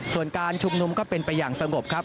ส่วนการชุมนุมก็เป็นไปอย่างสงบครับ